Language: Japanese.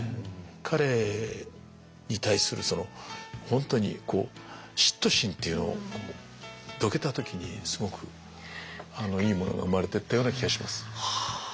彼に対する本当に嫉妬心というのをどけた時にすごくいいものが生まれていったような気がします。